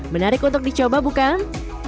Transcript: menarik untuk dicoba bukan